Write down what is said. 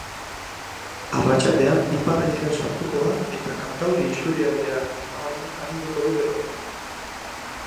Arratsaldean ipar haizea sartuko da eta kantauri isurialdean nabarmen arinduko du beroa.